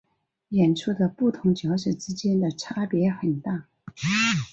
演出的不同角色之间的差别很大。